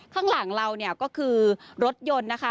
ข้างหลังเราเนี่ยก็คือรถยนต์นะคะ